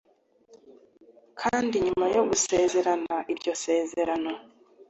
kandi nyuma yo gusezerana iryo sezerano